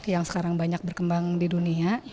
yang sekarang banyak berkembang di dunia